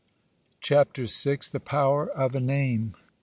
CHAPTER VI. THE POWER OF A NAME.